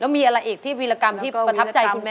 มีอะไรอีกที่วิรกรรมที่ประทับใจคุณแม่